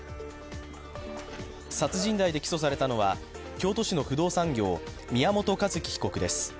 殺人罪で起訴されたのは京都市の不動産業、宮本一希被告です。